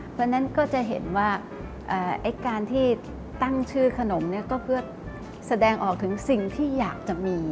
เพราะฉะนั้นก็จะเห็นว่าไอ้การที่ตั้งชื่อขนมเนี่ยก็เพื่อแสดงออกถึงสิ่งที่อยากจะมี